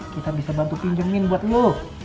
kita bisa bantu pinjemin buat lo